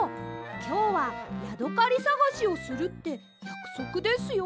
きょうはヤドカリさがしをするってやくそくですよ。